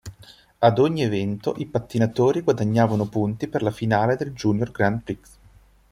Ad ogni evento i pattinatori guadagnano punti per la finale del Junior Grand Prix.